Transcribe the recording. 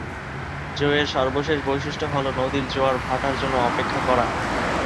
জো এর সর্বশেষ বৈশিষ্ট্য হল নদীর জোয়ার-ভাটার জন্য অপেক্ষা করা।